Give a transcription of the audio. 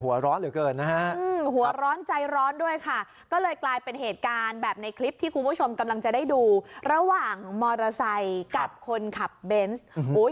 หัวร้อนเหลือเกินนะฮะหัวร้อนใจร้อนด้วยค่ะก็เลยกลายเป็นเหตุการณ์แบบในคลิปที่คุณผู้ชมกำลังจะได้ดูระหว่างมอเตอร์ไซค์กับคนขับเบนส์